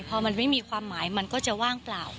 พอมันไม่มีความหมายมันก็จะว่างเปล่า